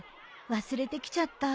忘れてきちゃった。